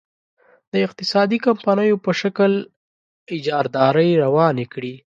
د اقتصادي کمپنیو په شکل اجارادارۍ روانې کړي.